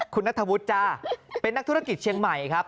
คุณนัทธวุฒิจ้าเป็นนักธุรกิจเชียงใหม่ครับ